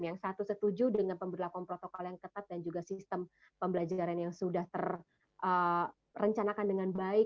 yang satu setuju dengan pemberlakuan protokol yang ketat dan juga sistem pembelajaran yang sudah terrencanakan dengan baik